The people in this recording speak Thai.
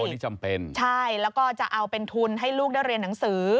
นี่จำเป็นใช่แล้วก็จะเอาเป็นทุนให้ลูกได้เรียนหนังสือ